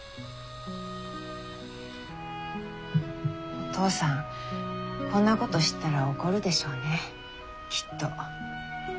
お父さんこんなこと知ったら怒るでしょうねきっと。